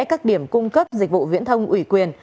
các điểm cung cấp dịch vụ viễn thông ủy quyền